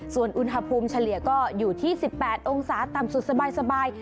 ส่วนอุณหภูมิเฉลี่ยก็อยู่ที่๑๘องศาต่ำสุดสบาย